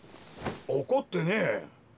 怒ってねえ！